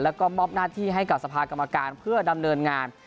แล้วก็มอบหน้าที่ให้กับสภากรรมการเพื่อดำเนินงาน